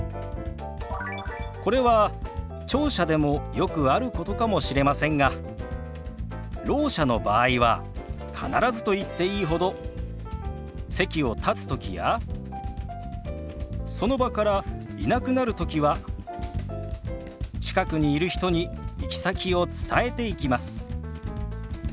これは聴者でもよくあることかもしれませんがろう者の場合は必ずと言っていいほど席を立つときやその場からいなくなるときは近くにいる人に行き先を伝えていきます。